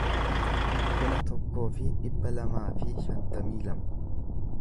kuma tokkoo fi dhibba lamaa fi shantamii lama